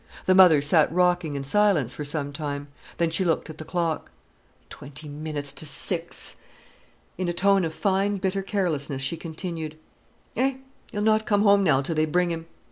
The mother sat rocking in silence for some time. Then she looked at the clock. "Twenty minutes to six!" In a tone of fine bitter carelessness she continued: "Eh, he'll not come now till they bring him.